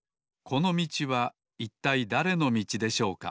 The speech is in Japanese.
このみちはいったいだれのみちでしょうか？